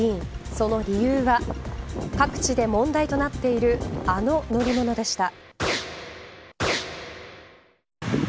その理由は各地で問題となっているあの乗り物でした。